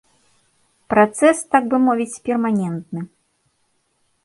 Працэс, так бы мовіць, перманентны.